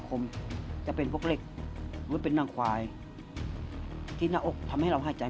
ผมจะเป็นพวกเหล็กหรือเป็นนางควายที่หน้าอกทำให้เราหายใจ